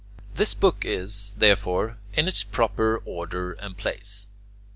This book is, therefore, in its proper order and place.